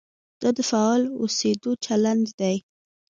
دا د فعال اوسېدو چلند دی.